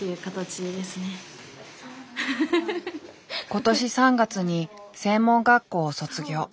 今年３月に専門学校を卒業。